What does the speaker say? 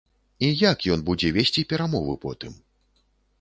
І як ён будзе весці перамовы потым?